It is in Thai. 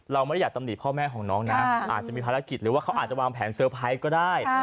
เราไม่ได้อยากตำหนิพ่อแม่ของน้องนะอาจจะมีภารกิจหรือว่าเขาอาจจะวางแผนเซอร์ไพรส์ก็ได้